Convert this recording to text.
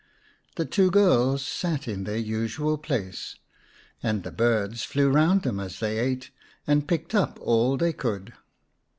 The two girls sat in their usual place, and the birds flew round them as they ate and picked up all they could.